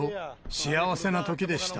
幸せなときでした。